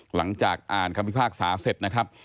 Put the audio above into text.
หลังจากอ่านคำพิพากษาเสร็จนะครับ